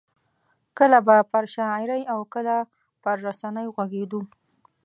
کله به پر شاعرۍ او کله پر رسنیو غږېدو.